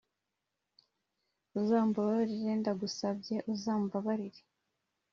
uzambabarire, ndagusabye uzambabarire